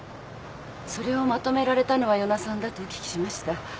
それをまとめられたのは与那さんだとお聞きしました。